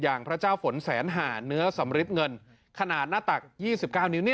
พระเจ้าฝนแสนหาเนื้อสำริดเงินขนาดหน้าตัก๒๙นิ้ว